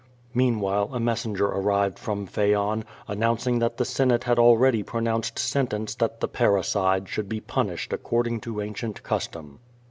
Meanwhile a messenger arrived from Phaon, announcing that the Senate had already pronounced sentence that the parricide should be punished according to ancient custom.